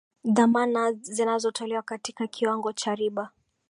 dhamana zinatolewa katika kiwango cha riba